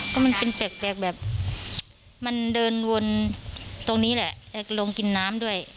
ก็มันเป็นแปลกแบบมันเดินวนตรงนี้แหละลงกินน้ำด้วย